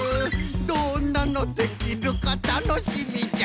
「どんなのできるかたのしみじゃ」